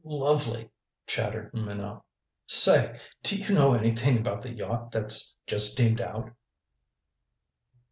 "L lovely," chattered Minot. "Say, do you know anything about the yacht that's just steamed out?"